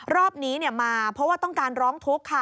รอบนี้มาเพราะว่าต้องการร้องทุกข์ค่ะ